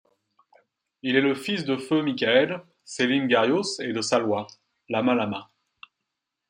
Il est le fils de feu Mikhaël Selim Gharios et de Salwa Lamaa Lamaa.